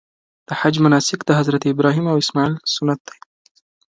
د حج مناسک د حضرت ابراهیم او اسماعیل سنت دي.